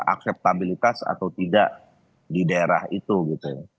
akseptabilitas atau tidak di daerah itu gitu ya